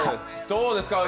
どうですか？